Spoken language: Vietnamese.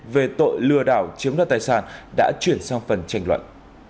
về tội lừa đảo chiếm đoạt tài sản đã chuyển sang phần tranh luận